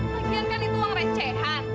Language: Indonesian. lagian kan itu uang recehan